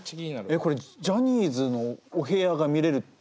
えっこれジャニーズのお部屋が見れるって。